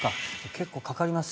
結構かかります。